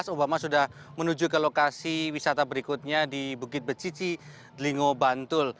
obama sudah menuju ke lokasi wisata berikutnya di bukit becici dlingo bantul